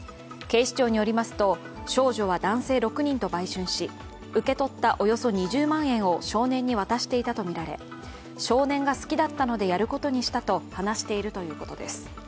警視庁によりますと、少女は男性６人と売春し受け取ったおよそ２０万円を少年に渡していたとみられ少年が好きだったのでやることにしたと話しているということです。